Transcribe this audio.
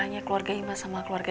dia yine bercinta kalau kamu keluar